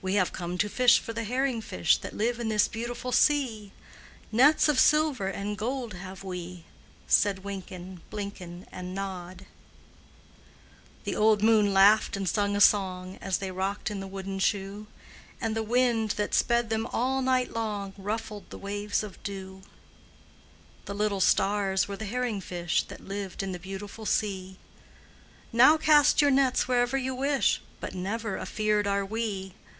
"We have come to fish for the herring fish That live in this beautiful sea; Nets of silver and gold have we," Said Wynken, Blynken, And Nod. The old moon laughed and sung a song, As they rocked in the wooden shoe; And the wind that sped them all night long Ruffled the waves of dew; The little stars were the herring fish That lived in the beautiful sea. "Now cast your nets wherever you wish, But never afeard are we!"